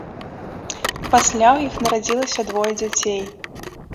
Пасля ў іх нарадзілася двое дзяцей.